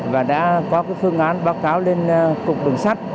và đã có phương án báo cáo lên cục đường sắt